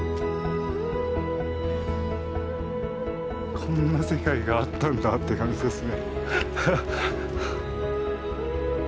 こんな世界があったんだって感じですね。